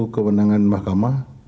satu kewenangan mahkamah